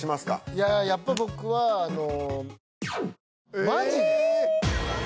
いややっぱ僕はあのえ！